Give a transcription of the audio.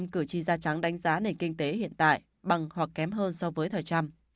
bảy mươi ba cử tri da trắng đánh giá nền kinh tế hiện tại bằng hoặc kém hơn so với thời trump